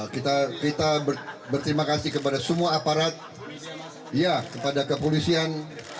kita berterima kasih kepada semua aparat kepada kepolisian